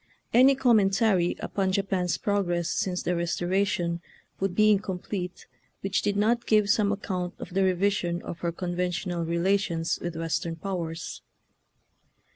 Any commentary upon Japan's prog ress since the Eestoration would be in complete which did not give some ac count of the revision of her conventional relations with. Western powers.